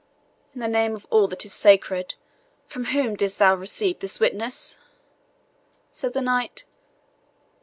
"In the name of all that is sacred, from whom didst thou receive this witness?" said the knight.